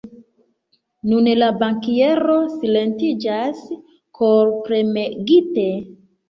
Nun la bankiero silentiĝas, korpremegite.